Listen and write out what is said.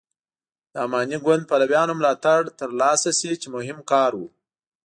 د اماني ګوند پلویانو ملاتړ تر لاسه شي چې مهم کار و.